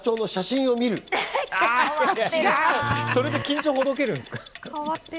それで緊張ほどけるんですか？